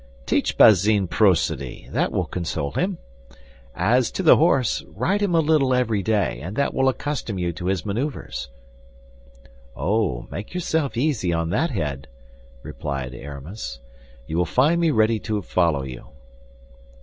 Teach Bazin prosody; that will console him. As to the horse, ride him a little every day, and that will accustom you to his maneuvers." "Oh, make yourself easy on that head," replied Aramis. "You will find me ready to follow you."